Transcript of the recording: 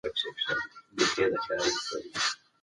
د هغوی عزت او کرامت وساتئ.